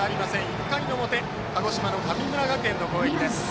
１回の表鹿児島の神村学園の攻撃。